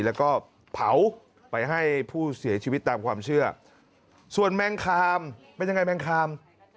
แล้วก็เผาไปให้ผู้เสียชีวิตตามความเชื่อส่วนแมงคามเป็นยังไงแมงคาม